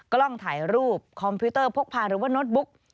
กล้องถ่ายรูปคอมพิวเตอร์พกพาหรือว่าโน้ตบุ๊ก